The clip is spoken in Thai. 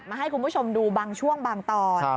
มาให้คุณผู้ชมดูบางช่วงบางตอน